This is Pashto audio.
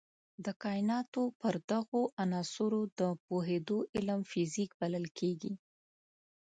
د کایناتو پر دغو عناصرو د پوهېدو علم فزیک بلل کېږي.